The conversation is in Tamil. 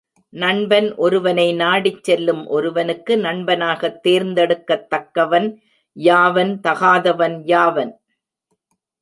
நண்பன் ஒருவனை நாடிச் செல்லும் ஒருவனுக்கு, நண்பனாகத் தேர்ந்தெடுக்கத் தக்கவன் யாவன் தகாதவன் யாவன்?